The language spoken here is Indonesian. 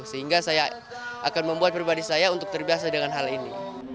sehingga saya akan membuat pribadi saya untuk terbiasa dengan hal ini